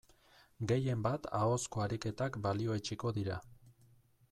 Gehien bat ahozko ariketak balioetsiko dira.